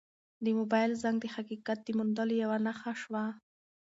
د موبایل زنګ د حقیقت د موندلو یوه نښه شوه.